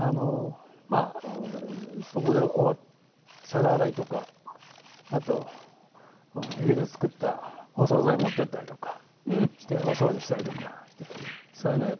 まあそこで皿洗いとかあと家で作ったお総菜持って行ったりとかしてお掃除したりとかそういうのはやってましたね。